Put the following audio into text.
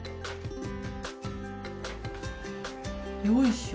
よいしょ！